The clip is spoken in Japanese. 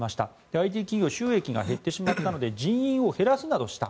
ＩＴ企業収益が減ってしまったので人員を減らすなどした。